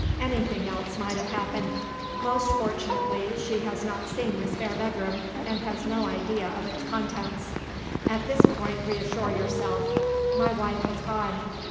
Anything else might have happened. Most fortunately she has not seen the spare bedroom, and has no idea of its contents. "At this point reassure yourself. "My wife has gone.